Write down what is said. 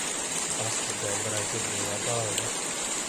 Astes dēļ var aiziet bojā galva.